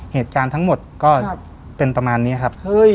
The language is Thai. เหตุการณ์ทั้งหมดก็เป็นประมาณนี้ครับ